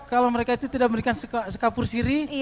kalau mereka itu tidak memberikan sekapur siri